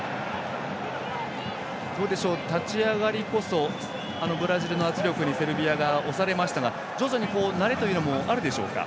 立ち上がりこそブラジルの圧力にセルビアが押されましたが徐々に慣れというのもあるでしょうか？